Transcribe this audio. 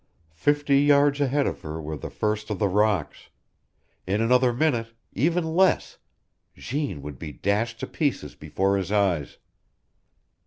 Fifty yards ahead of her were the first of the rocks. In another minute, even less, Jeanne would be dashed to pieces before his eyes.